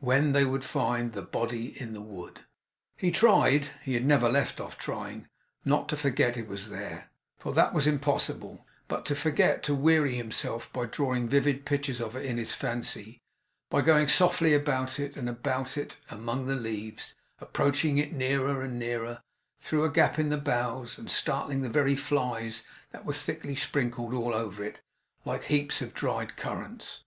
When they would find the body in the wood. He tried he had never left off trying not to forget it was there, for that was impossible, but to forget to weary himself by drawing vivid pictures of it in his fancy; by going softly about it and about it among the leaves, approaching it nearer and nearer through a gap in the boughs, and startling the very flies that were thickly sprinkled all over it, like heaps of dried currants.